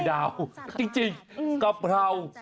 โอ้โห